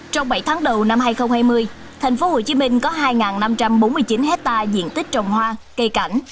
trong bảy tháng đầu năm hai nghìn hai mươi tp hcm có hai năm trăm bốn mươi chín hectare diện tích trồng hoa cây cảnh